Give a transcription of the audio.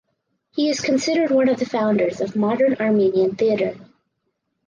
He is considered one of the founders of modern Armenian theater.